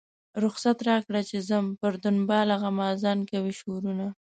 رخصت راکړه چې ځم پر دنباله غمازان کوي شورونه.